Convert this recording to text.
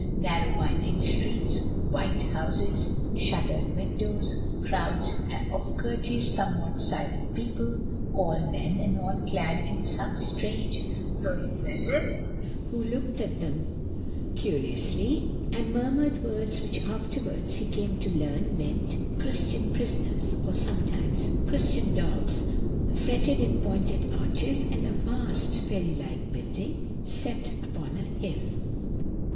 Narrow winding streets, white houses, shuttered windows, crowds of courteous, somewhat silent people, all men, and all clad in those same strange, flowing dresses, who looked at them curiously, and murmured words which afterwards he came to learn meant "Christian prisoners," or sometimes "Christian dogs"; fretted and pointed arches, and a vast fairy like building set upon a hill.